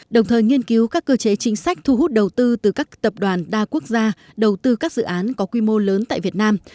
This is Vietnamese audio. đồng thời nghiên cứu các cơ chế chính sách thu hút đầu tư từ các tập đoàn đa quốc gia đầu tư các dự án có quy mô lớn tại việt nam